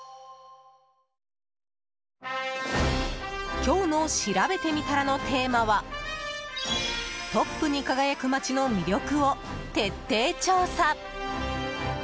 今日のしらべてみたらのテーマはトップに輝く街の魅力を徹底調査！